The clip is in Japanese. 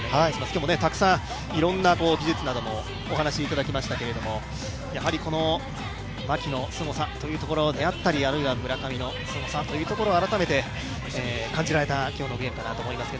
今日もたくさんいろんな技術などもお話しいただきましたけれども、牧のすごさであったり、村上のすごさを改めて感じられた今日のゲームかなと思います。